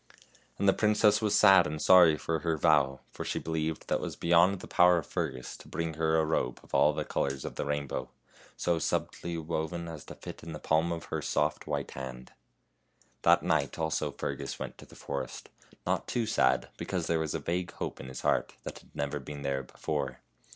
And the princess was sad and sorry for her vow, for she believed that it was beyond the power of Fergus to bring her a robe of all the colors of the rainbow, so subtly woven as to fit in the palm of her soft, white hand. That night also Fergus went to the forest, not too sad, because there was a vague hope in his heart that had never been there before.